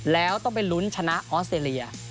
แล้วต้องไปลุ้นชนะออสเตรเลีย